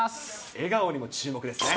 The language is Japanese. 笑顔にも注目ですね。